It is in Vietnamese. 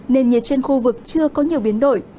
nền nhiệt trên khu vực chưa có nhiều biến đổi